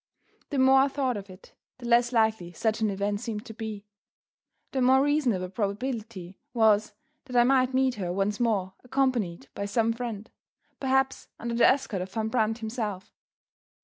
The more I thought of it, the less likely such an event seemed to be. The more reasonable probability was that I might meet her once more, accompanied by some friend perhaps under the escort of Van Brandt himself.